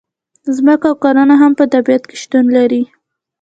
ځمکه او کانونه هم په طبیعت کې شتون لري.